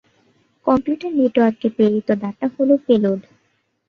Computer নেটওয়ার্কে, প্রেরিত data হলো পেলোড।